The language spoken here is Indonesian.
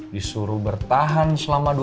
disuruh bertahan selama